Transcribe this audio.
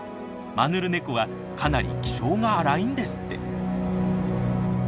マヌルネコはかなり気性が荒いんですって。